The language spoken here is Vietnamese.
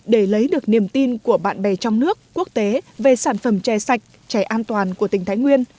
để lấy được niềm tin của bạn bè trong nước quốc tế về sản phẩm chè sạch chè an toàn của tỉnh thái nguyên